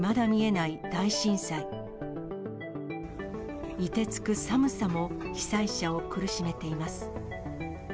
いてつく寒さも被災者を苦しめています。